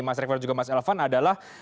mas rever juga mas elvan adalah